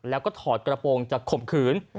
แล้วก็ถอดกระโปรงจะข่มขืน